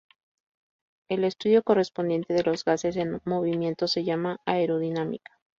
El estudio correspondiente de los gases en movimiento se llama aerodinámica.